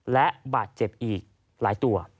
และบาดเจ็บอีกหลายตัว